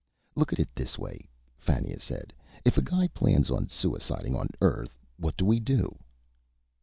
"Look at it this way," Fannia said. "If a guy plans on suiciding on Earth, what do we do?"